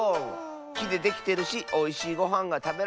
きでできてるしおいしいごはんがたべられそうッス。